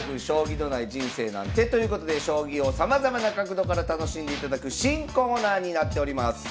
将棋のない人生なんて！」ということで将棋をさまざまな角度から楽しんでいただく新コーナーになっております。